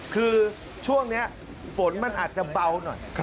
คือช่วงนี้ฝนมันอาจจะเบาหน่อย